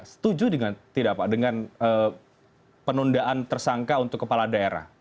setuju dengan tidak pak dengan penundaan tersangka untuk kepala daerah